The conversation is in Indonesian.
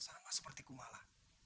sama seperti kumala